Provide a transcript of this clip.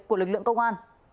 của lực lượng công an